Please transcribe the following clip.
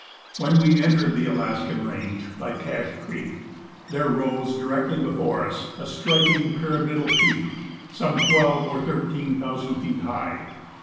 When we entered the Alaskan range by Cache Creek there rose directly before us a striking pyramidal peak, some twelve or thirteen thousand feet high.